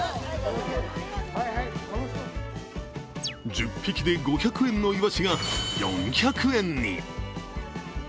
１０匹で５００円のいわしが４００円に。